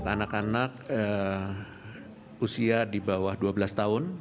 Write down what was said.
anak anak usia di bawah dua belas tahun